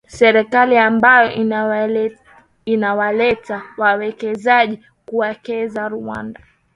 Serikali ambayo inawaleta wawekezaji kuwekeza Rwanda